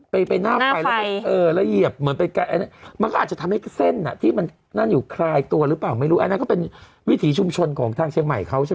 แต่ว่าก็ไม่น่าจะแบบมันได้ทุกโรคไหมนะครับ